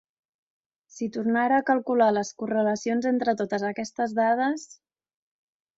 Si tornara a calcular les correlacions entre totes aquestes dades!